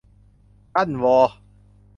ท่านวอ